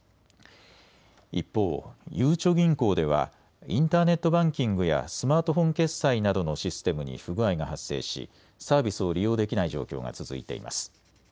一方、ゆうちょ銀行ではインターネットバンキングやスマートフォン決済などのシステムに不具合が発生しサービスを利用できない状況が続いています。